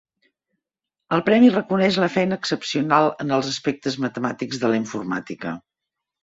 El premi reconeix la feina excepcional en els aspectes matemàtics de la informàtica.